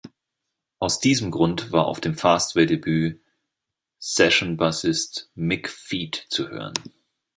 Aus diesem Grund war auf dem Fastway-Debüt Session-Bassist Mick Feat zu hören.